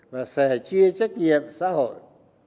và sẻ chia trách nhiệm xã hội